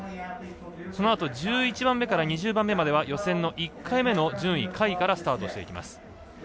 そのあと１１番目から２０番目までは予選の１回目の順位下位からスタートしていきます。